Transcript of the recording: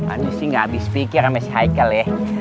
ani sih gak habis pikir sama si heikel ya